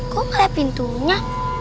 kok gak ada pintunya